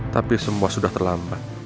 tapi semua sudah terlambat